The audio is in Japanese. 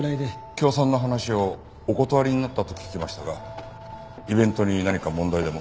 協賛の話をお断りになったと聞きましたがイベントに何か問題でも？